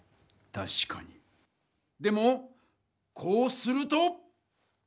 たしかにでもこうすると。